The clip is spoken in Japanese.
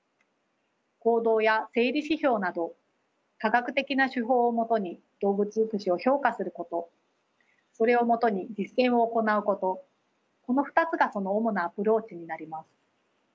行動や生理指標など科学的な手法をもとに動物福祉を評価することそれをもとに実践を行うことこの２つがその主なアプローチになります。